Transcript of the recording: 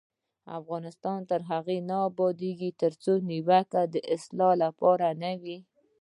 افغانستان تر هغو نه ابادیږي، ترڅو نیوکه د اصلاح لپاره نه وي.